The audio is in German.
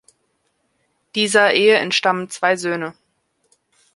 Dieser Ehe entstammen zwei Söhne.